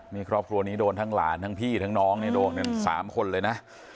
นี่ครอบครัวนี้โดนทั้งหลานทั้งพี่ทั้งน้องเนี่ยโดนกัน๓คนเลยนะ